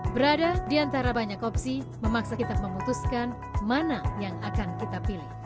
berada di antara banyak opsi memaksa kita memutuskan mana yang akan kita pilih